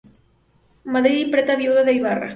Madrid, imprenta viuda de Ibarra.